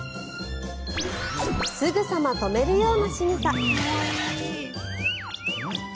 すぐさま止めるようなしぐさ。